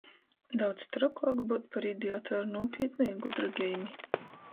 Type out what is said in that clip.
Daudz trokuok byut par idiotu ar nūpītnu i gudru geimi.